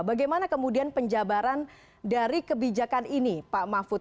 bagaimana kemudian penjabaran dari kebijakan ini pak mahfud